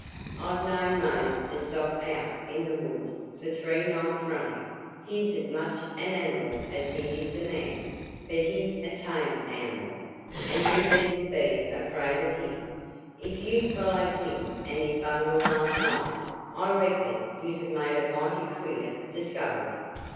I've known Mose to stop out in the woods for three nights running he's as much an animal as he is a man; but he's a tame animal, and you needn't be afraid of him. If you'd followed him and his bundle last night I reckon you'd have made a mighty queer discovery.